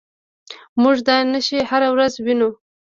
موږ دا نښې هره ورځ وینو.